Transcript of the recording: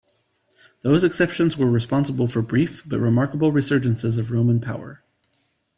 Those exceptions were responsible for brief, but remarkable resurgences of Roman power.